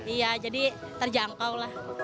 iya jadi terjangkau lah